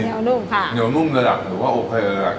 เหนียวนุ่มค่ะเหนียวนุ่มระดับหรือว่าโอเคระดับ